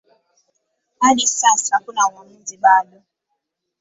Hadi sasa hakuna uamuzi bado.